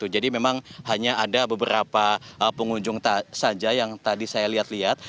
memang hanya ada beberapa pengunjung saja yang tadi saya lihat lihat